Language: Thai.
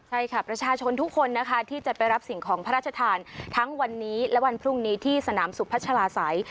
ใช่ค่ะประชาชนทุกคนนะคะที่จะไปรับสิ่งของพระราชทานทั้งวันนี้และวันพรุ่งนี้ที่สนามสุพัชลาศัย